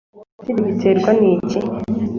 Ese ibi biterwa n’iki